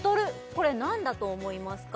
これ何だと思いますか？